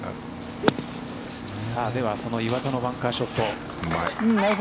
岩田のバンカーショット。